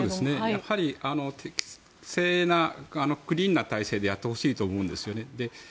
やはり適正なクリーンな体制でやってほしいと思いますね。